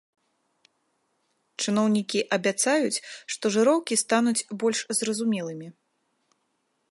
Чыноўнікі абяцаюць, што жыроўкі стануць больш зразумелымі.